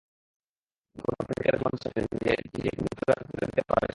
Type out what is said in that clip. বিপন্ন প্রেমিকার জীবন বাঁচাতে নিজেকে মৃত্যুর হাতে তুলে দিতে পারে সে।